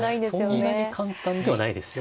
そんなに簡単ではないですよ。